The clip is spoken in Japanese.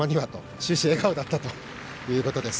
終始、笑顔だったということです。